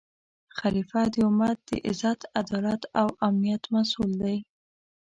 خلیفه د امت د عزت، عدالت او امنیت مسؤل دی